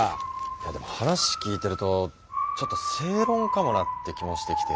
いやでも話聞いてるとちょっと正論かもなって気もしてきて。